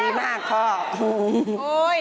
ดีมากพ่อ